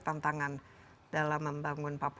pertangan dalam membangun papua ini